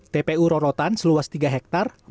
tpu rorotan seluas tiga hektare